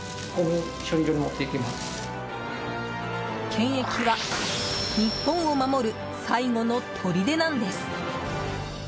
検疫は、日本を守る最後のとりでなんです。